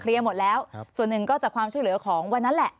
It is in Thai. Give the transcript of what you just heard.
หมดแล้วส่วนหนึ่งก็จากความช่วยเหลือของวันนั้นแหละ